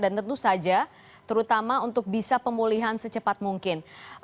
tentu saja terutama untuk bisa pemulihan secepat mungkin